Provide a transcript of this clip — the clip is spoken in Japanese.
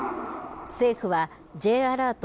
政府はＪアラート